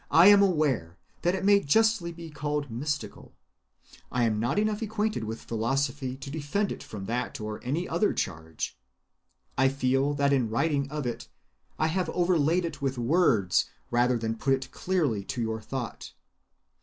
I am aware that it may justly be called mystical. I am not enough acquainted with philosophy to defend it from that or any other charge. I feel that in writing of it I have overlaid it with words rather than put it clearly to your thought.